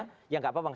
tapi yang gak datang